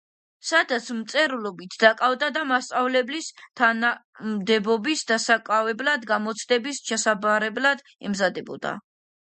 სადაც მწერლობით დაკავდა და მასწავლებლის თანამდებობის დასაკავებლად გამოცდების ჩასაბარებლად ემზადებოდა.